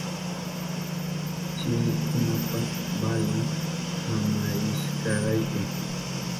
Chinikunapas valin nanarishkarayku.